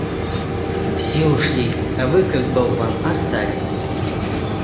Все ушли, а Вы, как болван, остались.